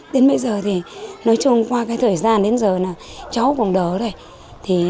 đến bây giờ thì nói chung qua cái thời gian đến giờ là cháu còn đỡ rồi